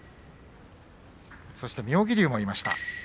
そして妙義龍もいました。